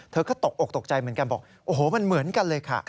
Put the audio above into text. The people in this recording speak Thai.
เธอก็ตกอกตกใจเหมือนกันบอกโอ้โหมันเหมือนกันเลยค่ะ